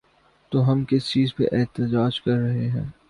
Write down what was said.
تو ہم کس چیز پہ احتجاج کر رہے ہیں؟